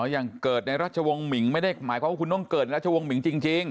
อย่างเกิดในรัชวงศ์หมิงไม่ได้หมายความว่าคุณต้องเกิดราชวงศ์หมิงจริง